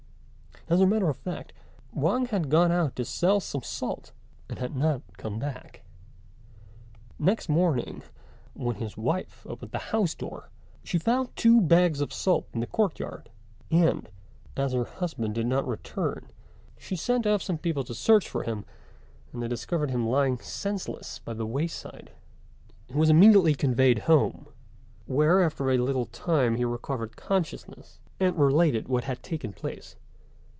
As a matter of fact, Wang had gone out to sell some salt, and had not come back. Next morning, when his wife opened the house door, she found two bags of salt in the court yard; and, as her husband did not return, she sent off some people to search for him, and they discovered him lying senseless by the wayside. He was immediately conveyed home, where, after a little time, he recovered consciousness, and related what had taken place.